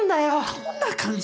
どんな感じ？